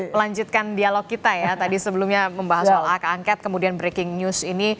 melanjutkan dialog kita ya tadi sebelumnya membahas soal hak angket kemudian breaking news ini